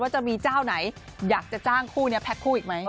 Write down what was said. จะมีเจ้าไหนอยากจะจ้างคู่นี้แพ็คคู่อีกไหม